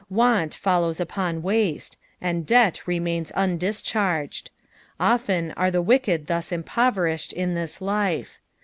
Want follons upon waste, and debt remains undischarged. Often are the wicked thus impoverished in this life.